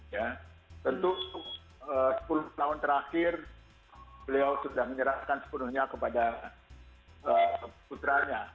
ya tentu sepuluh tahun terakhir beliau sudah menyerahkan sepenuhnya kepada putranya